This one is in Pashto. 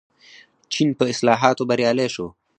چین په اصلاحاتو بریالی شو.